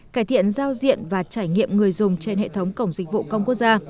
cải thiện giao diện và trải nghiệm người dùng trên hệ thống cổng dịch vụ công quốc gia